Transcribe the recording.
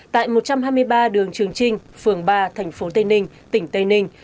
tại một trăm hai mươi ba đường trường trinh phường ba tp tây ninh tỉnh tây ninh